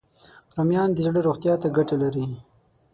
رومیان د زړه روغتیا ته ګټه لري